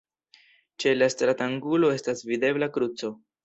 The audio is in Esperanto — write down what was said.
Ĉe la stratangulo estas videbla kruco.